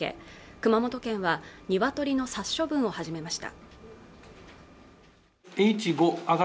熊本県はニワトリの殺処分を始めました